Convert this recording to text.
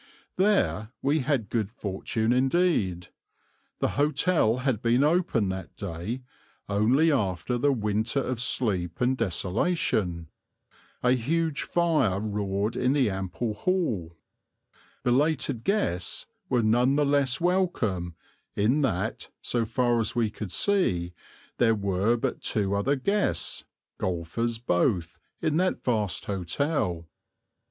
There we had good fortune indeed. The hotel had been opened that day only after the winter of sleep and desolation; a huge fire roared in the ample hall; belated guests were none the less welcome in that, so far as we could see, there were but two other guests, golfers both, in that vast hotel.